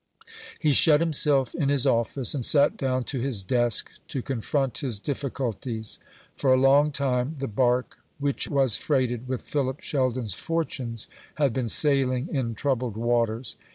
He shut himself in his office, and sat down to his desk to confront his difficulties. For a long time the bark which was freighted with Philip Sheldon's fortunes had been sailing in troubled waters.